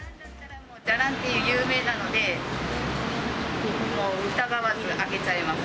じゃらんって有名なので、もう疑わず開けちゃいます。